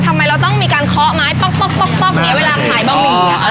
ทำไมเราต้องมีการเคาะไม้ป๊อกอย่างนี้เวลาขายบะหมี่